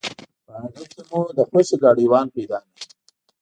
په اډې کې مو د خوښې ګاډیوان پیدا نه کړ.